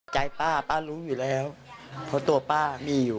ใจป้าป้ารู้อยู่แล้วเพราะตัวป้ามีอยู่